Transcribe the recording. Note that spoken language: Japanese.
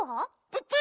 ププ！